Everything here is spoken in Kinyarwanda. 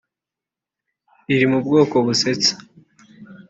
iri mu bwoko busetsa